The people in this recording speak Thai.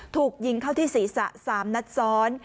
ถูกยิงเข้าที่ศีรษะ๓นัดซ้อน